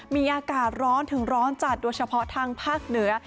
มีอากาศร้อนถึงร้อนจัดโดยเฉพาะทางภาคเหนือ